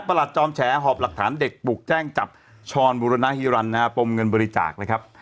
ประหลัดจอมแฉระหอบหลักฐานเด็กปุกแจ้งจับชอนบูรณหิรันปมเงินบริจาค